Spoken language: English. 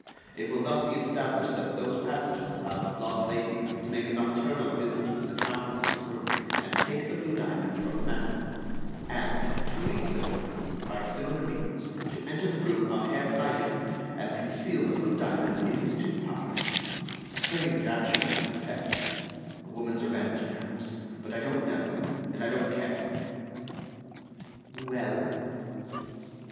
It will thus be established that those passages allowed the blonde Lady to make a nocturnal visit to the Countess' room and take the blue diamond from the mantel; and, two weeks later, by similar means, to enter the room of Herr Bleichen and conceal the blue diamond in his tooth powder—a strange action, I confess; a woman's revenge, perhaps; but I don't know, and I don't care." "Well?"